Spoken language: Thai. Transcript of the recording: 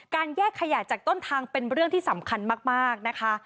แยกขยะจากต้นทางเป็นเรื่องที่สำคัญมากนะคะ